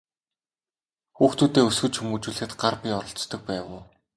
Хүүхдүүдээ өсгөж хүмүүжүүлэхэд гар бие оролцдог байв уу?